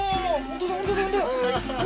本当だ